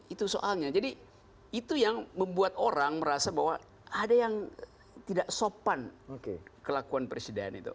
itu soalnya jadi itu yang membuat orang merasa bahwa ada yang tidak sopan kelakuan presiden itu